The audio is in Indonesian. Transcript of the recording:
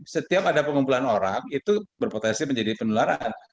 setiap ada pengumpulan orang itu berpotensi menjadi penularan